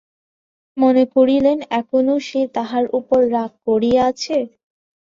মনে করিলেন এখনও সে তাঁহার উপর রাগ করিয়া আছে।